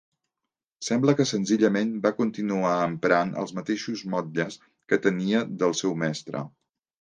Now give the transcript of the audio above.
Sembla que senzillament va continuar emprant els mateixos motlles que tenia del seu mestre.